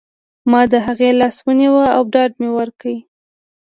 ما د هغې لاس ونیو او ډاډ مې ورکړ